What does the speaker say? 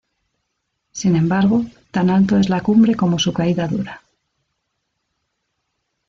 Sin embargo, tan alto es la cumbre como su caída dura.